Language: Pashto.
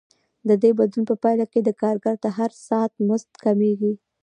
د دې بدلون په پایله کې د کارګر د هر ساعت مزد کمېږي